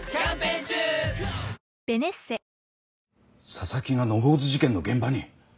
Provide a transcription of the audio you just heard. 紗崎が野放図事件の現場に？